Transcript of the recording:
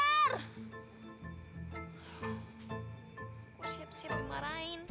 aku siap siap dimarahin